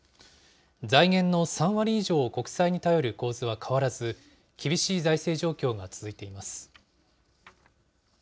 財源の３割以上を国債に頼る構図は変わらず、厳しい財政状況が続いています。